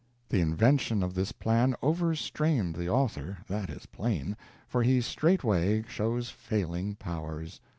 The invention of this plan overstrained the author that is plain, for he straightway shows failing powers.